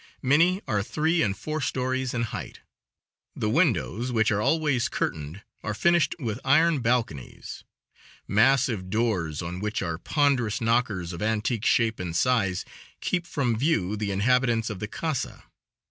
Many are three and four stories in height. The windows, which are always curtained, are finished with iron balconies. Massive doors, on which are ponderous knockers of antique shape and size, keep from view the inhabitants of the Casa.